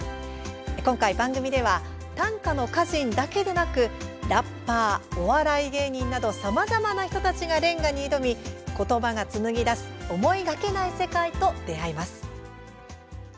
今回、番組では短歌の歌人だけでなくラッパー、お笑い芸人などさまざまな人たちが連歌に挑み言葉が紡ぎ出す思いがけない世界と出会います。